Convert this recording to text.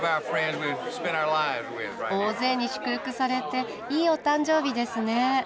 大勢に祝福されていいお誕生日ですね。